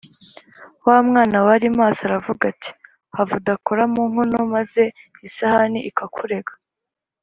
Wa mwana wari maso aravuga ati:“ Have udakora mu nkono maze isahane ikakurega.